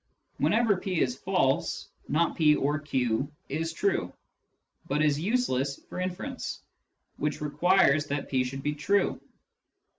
Whenever p is false, " not /) or q " is true, but is useless for inference, which requires that p should be true.